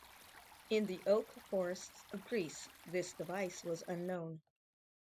In the oak forests of Greece this device was unknown.